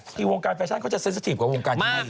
ที่วงการแฟชั่นเขาจะเซ็นสิทีฟกว่าวงการที่นี่